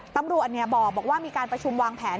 ตำรวจบอกว่ามีการประชุมวางแผน